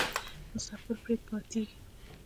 مسافر پرې ماتیږي.